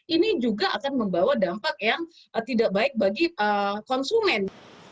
ini juga akan membawa dampak yang tidak baik bagi konsumen